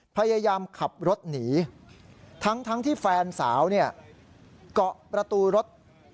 พยายามขับรถหนีทั้งที่แฟนสาวเกาะประตูรถ